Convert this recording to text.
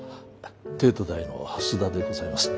帝都大の須田でございます。